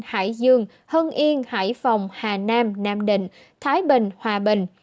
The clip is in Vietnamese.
hải dương hưng yên hải phòng hà nam nam định thái bình hòa bình